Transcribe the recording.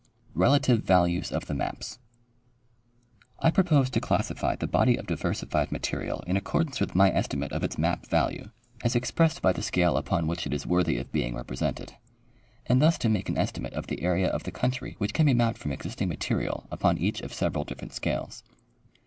Relative Values of the Maps. I propose to classify the body of diversified material in accord ance with my estimate of its map value as expressed by the scale 112 Henry Gannett — MotJier Maps of the United States. upon which it is worthy of being rej^resentedjand thus to make an estimate of the area of the country which can be mapped from existing material upon each of several different scales.